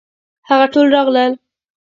هغه ټول راغلل.